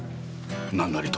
何なりと。